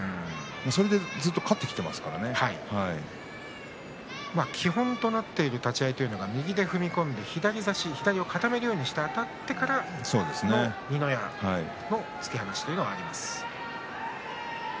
それでずっと基本の立ち合いは右で踏み込んで左差し左を固めるように、あたってから二の矢の突き放しというのがあります。